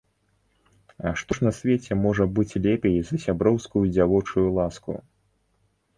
А што ж на свеце можа быць лепей за сяброўскую дзявочую ласку?